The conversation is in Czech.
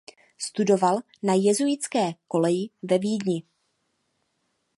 Studoval na jezuitské koleji ve Vídni.